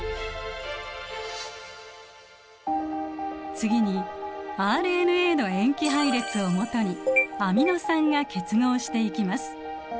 次にＲＮＡの塩基配列をもとにアミノ酸が結合していきます。